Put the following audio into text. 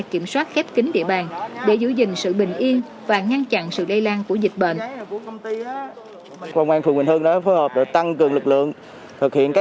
kiểm soát khép kính địa bàn để giữ gìn sự bình yên và ngăn chặn sự lây lan của dịch bệnh